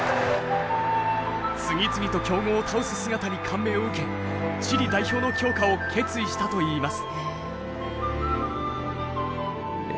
次々と強豪を倒す姿に感銘を受けチリ代表の強化を決意したといいます。